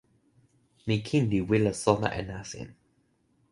mi kin li wile sona e nasin.